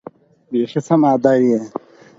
د ګټه اخيستونکو ليست خپور کړي.